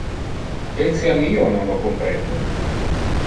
Etiam io non lo comprende.